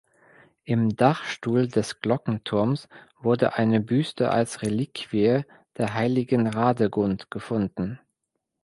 Im Dachstuhl des Glockenturms wurde eine Büste als Reliquie der heiligen Radegund gefunden.